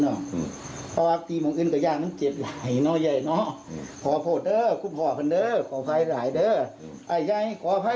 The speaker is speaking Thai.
เย้ครับยกว่าข้ายเกลียดถึงชักพ่อกัน